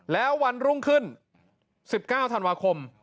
แล้ววันรุ่งขึ้น๑๙ธันวาคม